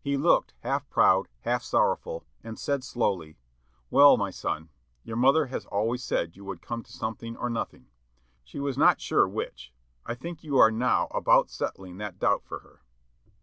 He looked half proud, half sorrowful, and said slowly, "Well, my son, your mother has always said you would come to something or nothing. She was not sure which; I think you are now about settling that doubt for her."